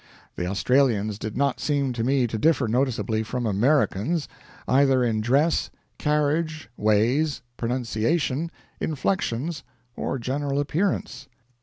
The Australians did not seem to me to differ noticeably from Americans, either in dress, carriage, ways, pronunciation, inflections, or general appearance.